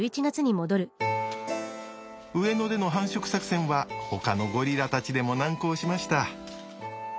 上野での繁殖作戦はほかのゴリラたちでも難航しました。